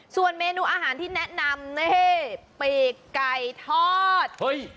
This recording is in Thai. ส่วนเมนูอาหารที่แนะนำนี่ปีกไก่ทอด